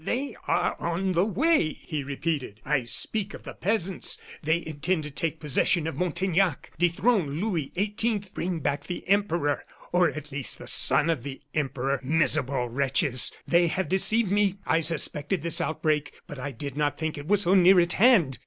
"They are on the way," he repeated. "I speak of the peasants they intend to take possession of Montaignac, dethrone Louis XVIII., bring back the Emperor, or at least the son of the Emperor miserable wretches! they have deceived me. I suspected this outbreak, but I did not think it was so near at hand."